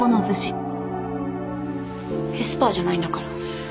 エスパーじゃないんだから。